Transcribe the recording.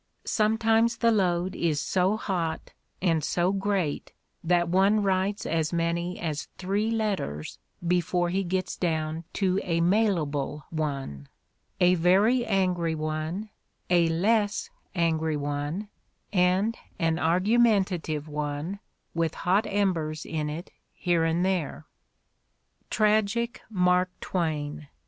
... Sometimes the load is so hot and so great that one writes as many as three letters before he gets down to a mailable one; a very angry one, a less angry one, and an argumentative one with hot embers in it here and there. '' Tragic Mark Twain!